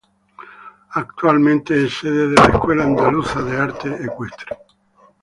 Actualmente es sede de la Real Escuela Andaluza del Arte Ecuestre.